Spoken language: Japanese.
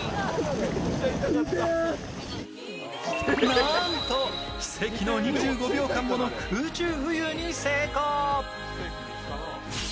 なんと、奇跡の２５秒間もの空中浮遊に成功。